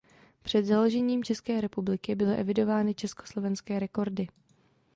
Před založením České republiky byly evidovány československé rekordy.